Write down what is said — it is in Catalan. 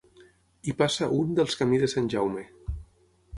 Hi passa un dels Camí de Sant Jaume.